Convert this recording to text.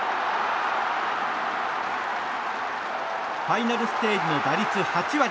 ファイナルステージの打率８割。